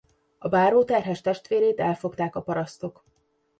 A báró terhes testvérét elfogták a parasztok.